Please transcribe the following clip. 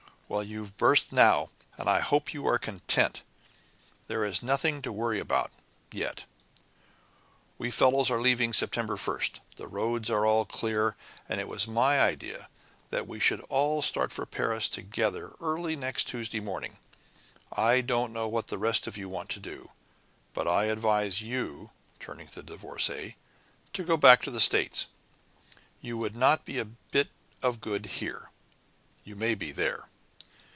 "Well, you've burst now, and I hope you are content. There is nothing to worry about, yet. We fellows are leaving September 1st. The roads are all clear, and it was my idea that we should all start for Paris together early next Tuesday morning. I don't know what the rest of you want to do, but I advise you," turning to the Divorcée, "to go back to the States. You would not be a bit of good here. You may be there."